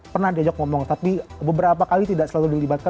pernah diajak ngomong tapi beberapa kali tidak selalu dilibatkan